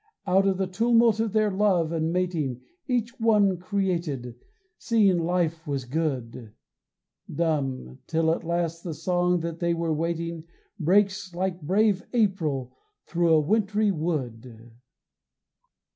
Out of the tumult of their love and mating Each one created, seeing life was good Dumb, till at last the song that they were waiting Breaks like brave April thru a wintry wood.